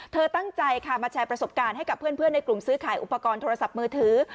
ตั้งใจค่ะมาแชร์ประสบการณ์ให้กับเพื่อนในกลุ่มซื้อขายอุปกรณ์โทรศัพท์มือถือ